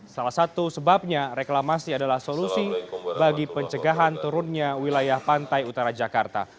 salah satu sebabnya reklamasi adalah solusi bagi pencegahan turunnya wilayah pantai utara jakarta